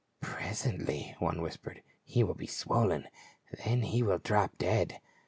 " Presently," one whispered, " he will be swollen ; then he will drop dead."